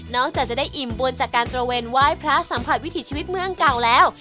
จากจะได้อิ่มบุญจากการตระเวนไหว้พระสัมผัสวิถีชีวิตเมืองเก่าแล้ว